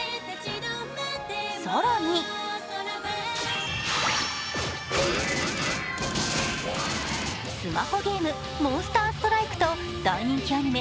更に、スマホゲーム「モンスターストライク」と大人気アニメ